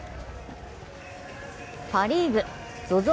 パ・リーグ、ＺＯＺＯ